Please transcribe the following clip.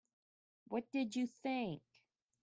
What did you think?